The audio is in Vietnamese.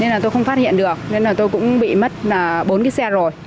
nên là tôi không phát hiện được nên là tôi cũng bị mất bốn cái xe rồi